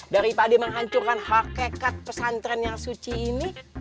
daripada menghancurkan hakikat pesantren yang suci ini